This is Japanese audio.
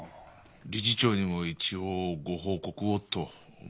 理事長にも一応ご報告をと思いまして。